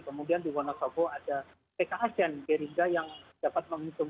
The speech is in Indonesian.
kemudian di wonosobo ada pks dan gerindra yang dapat menghitung